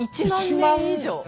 １万年以上。